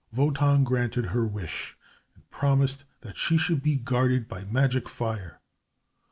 Wotan granted her wish, and promised that she should be guarded by magic fire.